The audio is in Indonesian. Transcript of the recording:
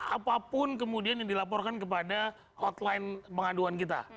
apapun kemudian yang dilaporkan kepada hotline pengaduan kita